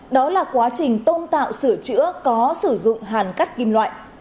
đó là quá trình tôn tạo sửa chữa có sử dụng hàn cắt kim loại